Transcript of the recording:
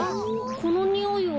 このにおいは。